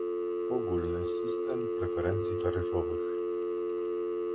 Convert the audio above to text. Ogólny system preferencji taryfowych